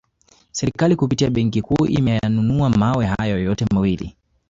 Serikali kupitia benki kuu imeyanunua mawe hayo yote mawili